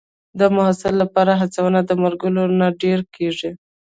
د محصل لپاره هڅونه د ملګرو نه ډېره کېږي.